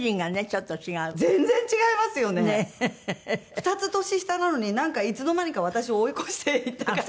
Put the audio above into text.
２つ年下なのになんかいつの間にか私を追い越していった感じ。